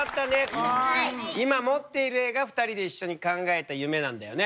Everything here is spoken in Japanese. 今持っている絵が２人で一緒に考えた夢なんだよね。